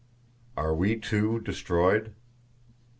Are We, Too, Destroyed?